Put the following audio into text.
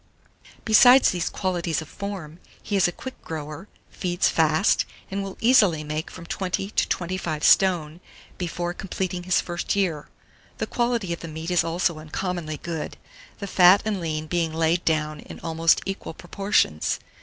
Besides these qualities of form, he is a quick grower, feeds fast, and will easily make from 20 to 25 stone before completing his first year. The quality of the meat is also uncommonly good, the fat and lean being laid on in almost equal proportions.